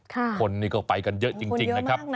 ค่ะคนนี้ก็ไปกันเยอะจริงนะครับคุณเยอะมากนะ